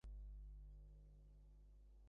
বিন্দু বলে, মরে গেলাম আমি, মনের জোর কোথা পাব?